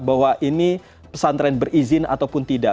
bahwa ini pesantren berizin ataupun tidak